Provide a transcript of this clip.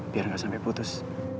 biar gak sampai putus